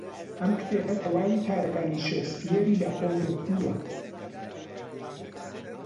ئەم کتێبە تەواوی کارەکانی شکسپیری لەخۆ گرتووە.